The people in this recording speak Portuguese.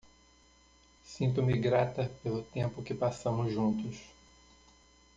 Sinto-me grata pelo tempo que passamos juntos.